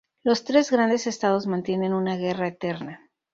Los tres grandes Estados mantienen una guerra "eterna".